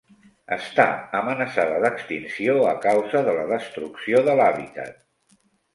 Està amenaçada d'extinció a causa de la Destrucció de l'hàbitat.